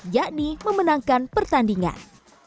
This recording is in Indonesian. yakni memenangkan pertandingan